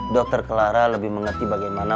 dokter clara lebih mengerti bagaimana